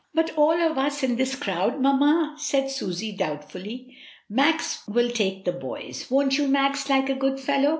"But all of us in this crowd, mamma?" said Susy, doubtfully. INCENSE AND VIOLETS. 59 "Max will take the boys. Won't you, Max, like a good fellow?"